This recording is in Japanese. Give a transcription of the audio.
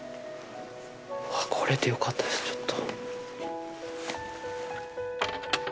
うわっ、来れてよかったです、ちょっと。